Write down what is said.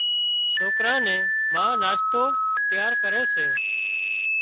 سوڪران نِي ما ناشتو تيار ڪري سي۔